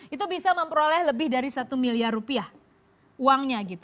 itu bisa memperoleh lebih dari satu miliar rupiah uangnya